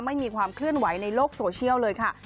ไม่มีความเคลื่อนไหวในโลกโซเชียลเลยค่ะ